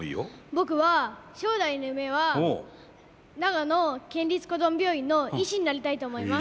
僕は将来の夢は長野県立こども病院の医師になりたいと思います。